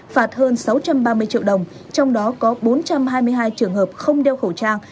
phạt hơn sáu trăm ba mươi triệu đồng trong đó có bốn trăm hai mươi hai trường hợp không đeo khẩu trang